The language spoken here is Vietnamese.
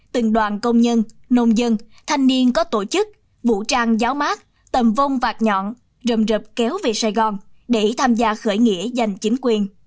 từng đoàn công nhân nông dân thanh niên có tổ chức vũ trang giáo mát tầm vông vạt nhọn rầm rập kéo về sài gòn để tham gia khởi nghĩa giành chính quyền